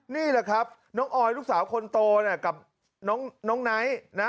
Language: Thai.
นี่แหละครับน้องออยลูกสาวคนโตกับน้องไนท์นะ